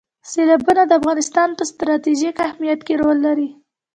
سیلابونه د افغانستان په ستراتیژیک اهمیت کې رول لري.